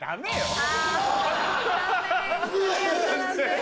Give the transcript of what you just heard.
あ。